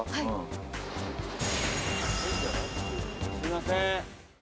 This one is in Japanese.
すみません。